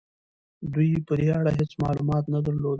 دوی په دې اړه هيڅ معلومات نه درلودل.